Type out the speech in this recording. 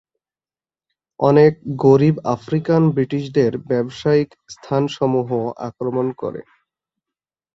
অনেক গরিব আফ্রিকান ব্রিটিশদের ব্যবসায়িক স্থানসমূহ আক্রমণ করে।